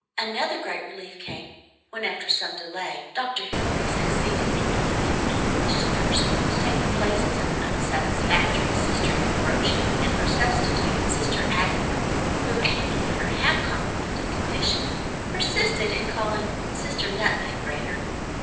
Another great relief came, when, after some delay, Dr. Hilary succeeded in getting an English nurse to take the places of the unsatisfactory Sister Ambrogia and her substitute, Sister Agatha, whom Amy in her half comprehending condition persisted in calling "Sister Nutmeg Grater."